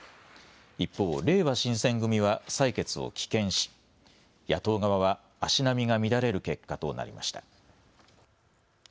一方、れいわ新選組は採決を棄権し、野党側は足並みが乱れる結果となりました。